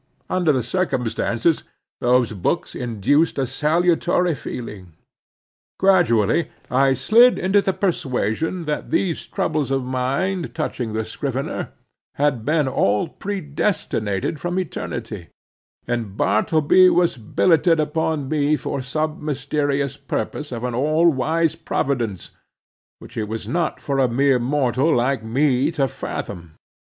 Under the circumstances, those books induced a salutary feeling. Gradually I slid into the persuasion that these troubles of mine touching the scrivener, had been all predestinated from eternity, and Bartleby was billeted upon me for some mysterious purpose of an all wise Providence, which it was not for a mere mortal like me to fathom.